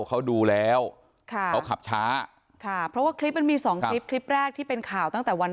เขาดูแล้วเขาขับช้า